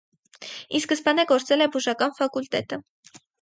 Ի սկզբանե գործել է բուժական ֆակուլտետը։